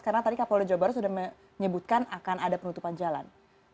karena tadi kapolri jawa baru sudah menyebutkan akan ada penutupan jalan